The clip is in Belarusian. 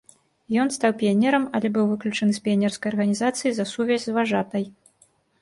Ён стаў піянерам, але быў выключаны з піянерскай арганізацыі за сувязь з важатай.